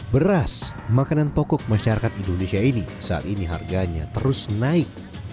beras makanan pokok masyarakat indonesia ini saat ini harganya terus naik